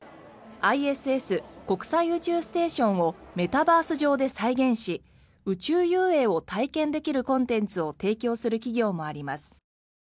ＩＳＳ・国際宇宙ステーションをメタバース上で再現し宇宙遊泳を体験できるコンテンツを提供する企業もあります。